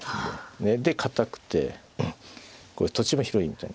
で堅くて土地も広いみたいな。